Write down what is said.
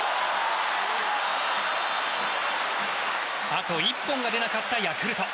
あと１本が出なかったヤクルト。